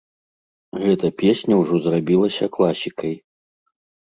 Гэтая песня ўжо зрабілася класікай.